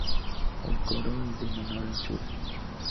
El coro es de menor anchura.